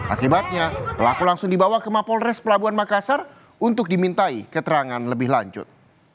akibatnya pelaku langsung dibawa ke mapolres pelabuhan makassar untuk dimintai keterangan lebih lanjut